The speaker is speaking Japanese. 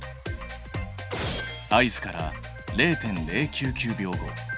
合図から０．０９９秒後。